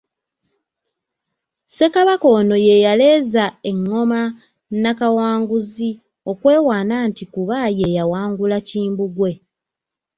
Ssekabaka ono ye yaleeza ennoma Nnakawanguzi, okwewaana nti kuba yawangula Kimbugwe.